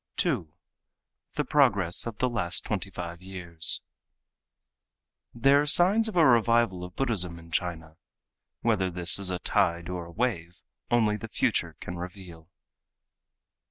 2. The Progress of the Last Twenty five Years There are signs of a revival of Buddhism in China. Whether this is a tide, or a wave, only the future can reveal.